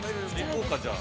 ◆行こうか、じゃあ。